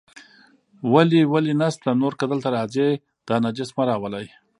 ولې ولې نشته، نور که دلته راځئ، دا نجس مه راولئ.